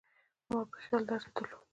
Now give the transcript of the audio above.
زما په خیال درس یې درلود.